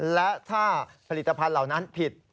และถ้าผลิตภัณฑ์เหล่านั้นผิด